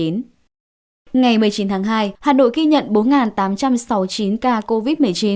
ngày một mươi chín tháng hai hà nội ghi nhận bốn tám trăm sáu mươi chín ca covid một mươi chín